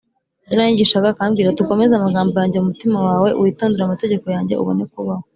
yaranyigishaga akambwira ati “ukomeze amagambo yanjye mu mutima wawe, witondere amategeko yanjye, ubone kubaho